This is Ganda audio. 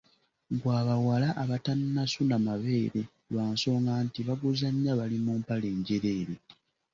Gwa bawala abatannasuna mabeere lwa nsonga nti baguzannya bali mu mpale njereere.